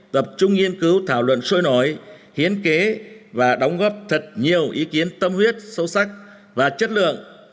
tập trung nghiên cứu thảo luận sôi nổi hiến kế và đóng góp thật nhiều ý kiến tâm huyết sâu sắc và chất lượng